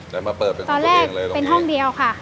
ย้ายมาเปิดเป็นของตัวเองเลยตรงนี้ตอนแรกเป็นห้องเดียวค่ะ